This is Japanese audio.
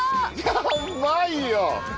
やっばいよ！